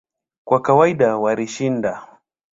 Kwa kawaida walishinda.